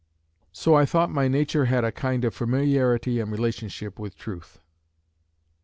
So I thought my nature had a kind of familiarity and relationship with Truth.